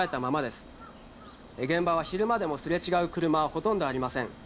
現場は昼間でもすれ違う車はほとんどありません。